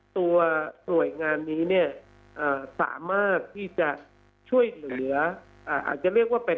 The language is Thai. ตัวหน่วยงานนี้เนี่ยสามารถที่จะช่วยเหลืออาจจะเรียกว่าเป็น